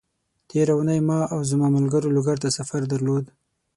تېره اونۍ ما او زما ملګرو لوګر ته سفر درلود،